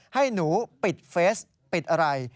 ให้หนูปิดเฟสปิดอะไร